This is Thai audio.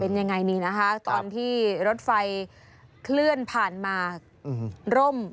เป็นยังไงนี่นะคะตอนที่รถไฟเคลื่อนผ่านมาร่ม